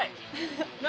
何？